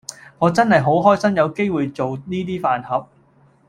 我真係好開心有機會做呢 d 飯盒